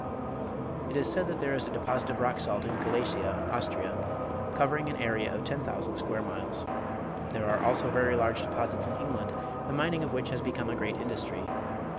It is said that there is a deposit of rock salt in Galicia, Austria, covering an area of 10,000 square miles. There are also very large deposits in England, the mining of which has become a great industry.